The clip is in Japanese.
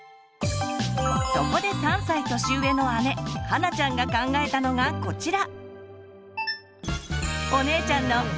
そこで３歳年上の姉はなちゃんが考えたのがこちら。